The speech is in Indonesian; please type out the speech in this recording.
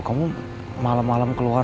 kamu malam malam keluar